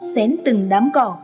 xén từng đám cỏ